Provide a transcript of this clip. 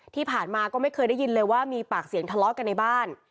ที่ผ่านมาก็ไม่เคยได้ยินเลยว่ามีปากเสียงทะเลาะกันในบ้าน